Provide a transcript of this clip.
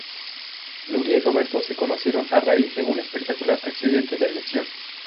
Nuria y Roberto se conocieron a raíz de un espectacular accidente de aviación.